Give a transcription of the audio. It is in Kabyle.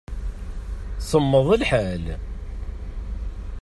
Semmeḍ lḥal.